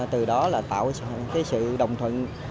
từ đó là tạo cái sự đồng thuận